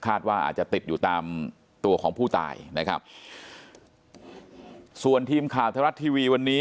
ว่าอาจจะติดอยู่ตามตัวของผู้ตายนะครับส่วนทีมข่าวไทยรัฐทีวีวันนี้